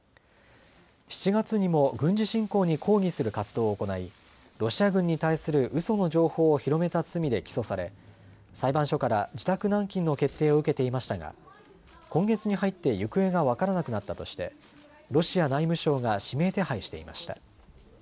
７月にも軍事侵攻に抗議する活動を行いロシア軍に対するうその情報を広めた罪で起訴され裁判所から自宅軟禁の決定を受けていましたが今月に入って行方が分からなくなったとしてロシア内務省が指名手配していました。